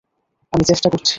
আমি চেষ্টা করছি!